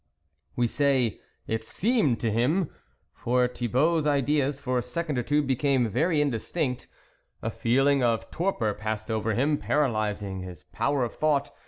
We say it seemed to him, for Thibault's ideas, for a second or two, became very indistinct. A feeling of torpor passed over him, paralysing his power of thought.